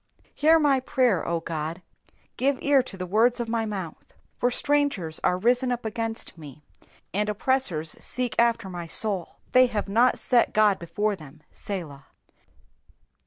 2 Hear my prayer, O God ; give ear to the words of my mouth. 3 For strangers are risen up against me, and oppressors seek after my soul : they have not set God before them. Selah.